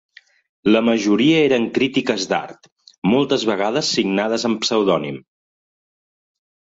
La majoria eren crítiques d'art, moltes vegades signades amb pseudònim.